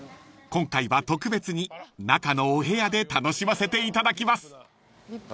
［今回は特別に中のお部屋で楽しませていただきます］